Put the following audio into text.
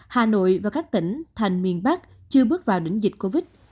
hà nội và các tỉnh thành miền bắc chưa bước vào đỉnh dịch covid